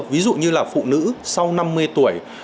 ví dụ như là phụ nữ sau năm mươi tuổi